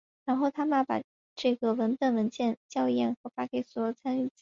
然后他们把这个文本文件和校验和发给所有参与者。